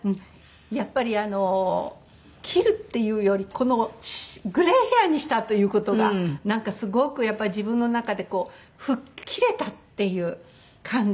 やっぱり切るっていうよりこのグレーヘアにしたという事がなんかすごく自分の中で吹っ切れたっていう感じ。